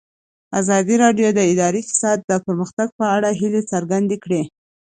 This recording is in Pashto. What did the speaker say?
ازادي راډیو د اداري فساد د پرمختګ په اړه هیله څرګنده کړې.